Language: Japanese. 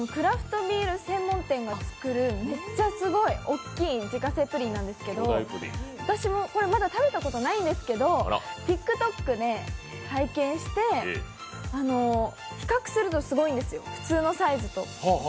これはクラフトビール専門店が作る、めっちゃすごい、大きい自家製プリンなんですけど、私もまだ食べたことないんですけどＴｉｋＴｏｋで拝見して、比較するとすごいんですよ、普通のサイズと。